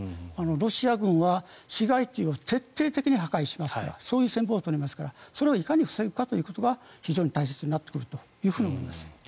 ロシア軍は市街地を徹底的に破壊しますからそういう戦法を取りますからそれをいかに防ぐかが非常に大切になってくると思います。